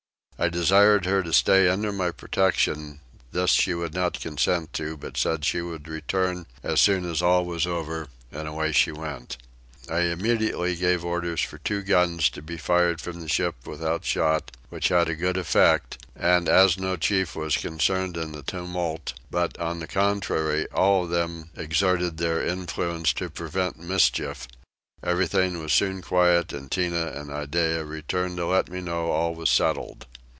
I desired her to stay under my protection: this she would not consent to but said she would return as soon as all was over; and away she went. I immediately gave orders for two guns to be fired from the ship without shot, which had a good effect: and as no chief was concerned in the tumult but, on the contrary, all of them exerted their influence to prevent mischief, everything was soon quiet and Tinah and Iddeah returned to let me know that all was settled.